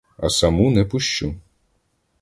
А саму не пущу.